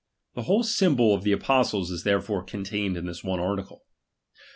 The whole symbol of the apostles is there ^M fore contained in this one article.